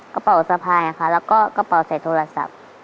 กระเป๋าสะพายค่ะแล้วก็กระเป๋าใส่โทรศัพท์